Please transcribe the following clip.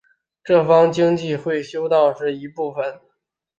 这是方济各会修道院建筑群的一部分。